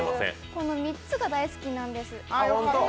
この３つが大好きなんです。